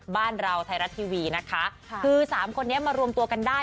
บ้านเราไทยรัฐทีวีนะคะคือสามคนนี้มารวมตัวกันได้